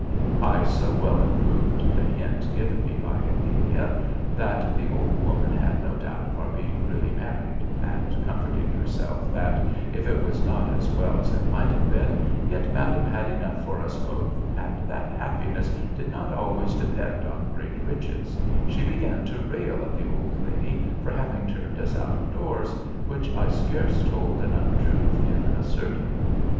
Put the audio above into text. "I so well improved the hint given me by Amelia, that the old woman had no doubt of our being really married; and, comforting herself that, if it was not as well as it might have been, yet madam had enough for us both, and that happiness did not always depend on great riches, she began to rail at the old lady for having turned us out of doors, which I scarce told an untruth in asserting.